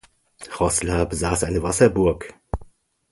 Roßla besaß eine Wasserburg.